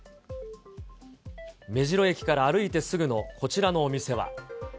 目白駅から歩いてすぐのこちらのお店は。